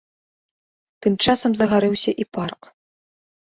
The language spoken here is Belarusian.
Тым часам загарэўся і парк.